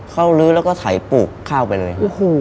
เขาลื้อแล้วก็ไถปลูกข้าวไปเลย